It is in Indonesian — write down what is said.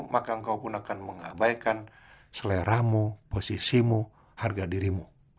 maka engkau pun akan mengabaikan seleramu posisimu harga dirimu